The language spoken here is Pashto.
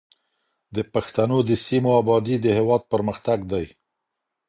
د پښتنو د سیمو ابادي د هېواد پرمختګ دی.